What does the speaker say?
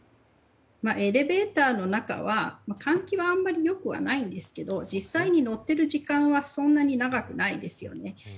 エレベーターの中は換気はあまり良くないんですが実際に乗っている時間はそんなに長くないですよね。